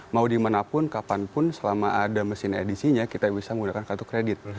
mau dimanapun kapanpun selama ada mesin edisinya kita bisa menggunakan kartu kredit